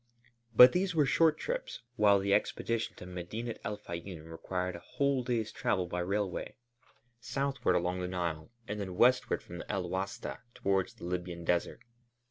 But these were short trips, while the expedition to Medinet el Fayûm required a whole day's travel by railway, southward along the Nile and then westward from El Wasta towards the Libyan Desert.